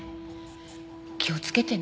気をつけてね。